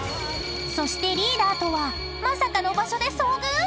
［そしてリーダーとはまさかの場所で遭遇⁉］